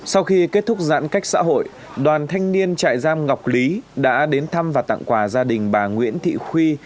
sau khi kết thúc giãn cách xã hội đoàn thanh niên trại giam ngọc lý đã đến thăm và tặng quà gia đình bà nguyễn thị khuy